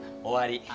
おわり」。